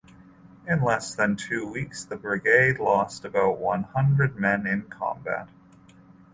In less than two weeks the brigade lost about one hundred men in combat.